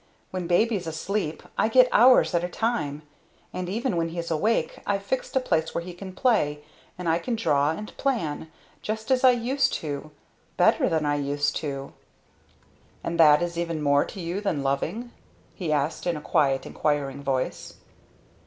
When Baby's asleep I get hours at a time; and even when he's awake I've fixed a place where he can play and I can draw and plan just as I used to better than I used to!" "And that is even more to you than loving?" he asked in a quiet inquiring voice.